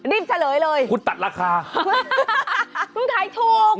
เฉลยเลยคุณตัดราคาคุณขายถูก